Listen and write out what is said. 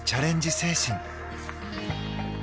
精神。